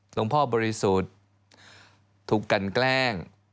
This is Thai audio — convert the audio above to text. พ่อบริสุทธิ์ถูกกันแกล้ง